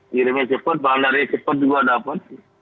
kirimnya cepat bahan dari cepat juga dapat